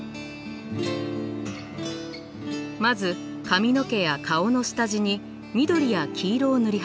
まず髪の毛や顔の下地に緑や黄色を塗り始めます。